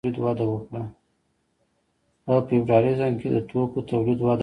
په فیوډالیزم کې د توکو تولید وده وکړه.